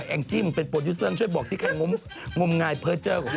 แองจิ้มเป็นโปรดิวเซอร์ช่วยบอกที่ใครงมงายเพอร์เจอร์ของเธอ